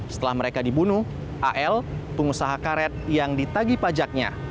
setelah mereka dibunuh al pengusaha karet yang ditagi pajaknya